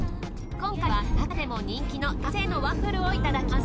今回はなかでも人気の自家製のワッフルをいただきます。